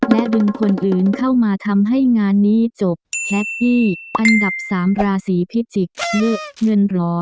และดึงคนอื่นเข้ามาทำให้งานนี้จบแฮปปี้อันดับ๓ราศีพิจิกษ์เงินร้อน